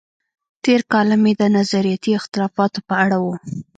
تېر کالم یې د نظریاتي اختلافاتو په اړه و.